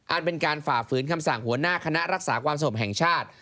เป็นการฝ่าฝืนคำสั่งหัวหน้าคณะรักษาความสงบแห่งชาติ